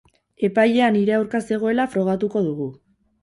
Epailea nire aurka zegoela frogatuko dugu.